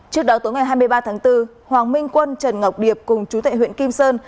trước đó tối ngày hai mươi ba tháng bốn hoàng minh quân trần ngọc điệp cùng chú tại huyện kim sơn